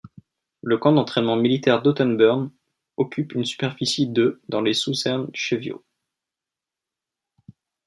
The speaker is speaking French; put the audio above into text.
Le camp d'entraînement militaire d’Otterburn occupe une superficie de dans les Southern Cheviots.